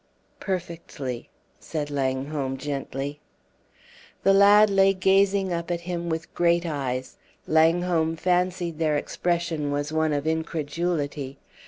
"Perfectly," said Langholm, gently. The lad lay gazing up at him with great eyes. Langholm fancied their expression was one of incredulity.